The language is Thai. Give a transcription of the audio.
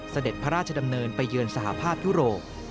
เสด็จพระราชดำเนินไปเยือนสหภาพยุโรป